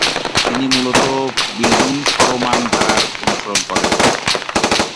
তিনি মূলত বিল্ডুংসরোমান ধারার অনুসরণ করেন।